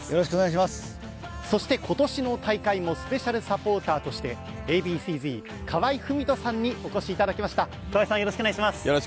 そして今年の大会もスペシャルサポーターとしてＡ．Ｂ．Ｃ−Ｚ・河合郁人さんにお越しいただきました。